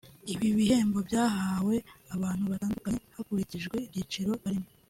Ibi bihembo byahawe abantu batandukanye hakurikijwe ibyiciro barimo